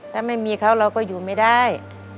ถ้าไม่มีเขาเราก็อยู่ไม่ได้